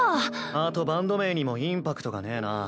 あとバンド名にもインパクトがねぇな。